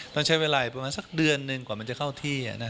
ต้องใช้เวลาอีกประมาณสักเดือนหนึ่งกว่ามันจะเข้าที่